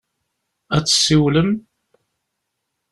Ad d-tsiwlem?